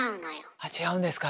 あっ違うんですか。